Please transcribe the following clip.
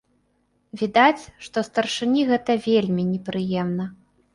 Відаць, што старшыні гэта вельмі непрыемна.